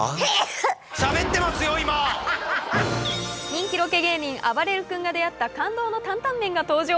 人気ロケ芸人・あばれる君が出会った感動のタンタン麺が登場。